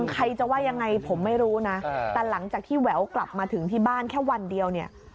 ใครจะว่ายังไงผมไม่รู้นะแต่หลังจากที่แหววกลับมาถึงที่บ้านแค่วันเดียวเนี่ย